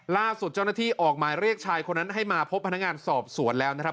ล่าสุดเจ้าหน้าที่ออกหมายเรียกชายคนนั้นให้มาพบพนักงานสอบสวนแล้วนะครับ